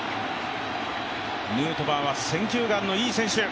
ヌートバーは選球眼のいい選手。